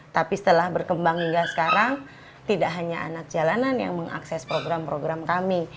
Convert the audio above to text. tapi setelah berkembang hingga sekarang tidak hanya anak jalanan yang mengakses program program kami